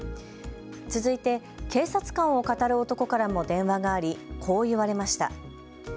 続いて警察官をかたる男からも電話があり、こう言われました。